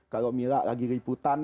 kalau milah lagi liputan